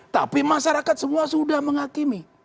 tapi masyarakat semua sudah menghakimi